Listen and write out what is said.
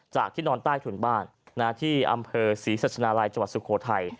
จากที่นอนใต้ถุนบ้านที่อำเภอศรีศาสนาลัยจสุโขทัย